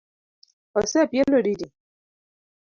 Osepielo didi?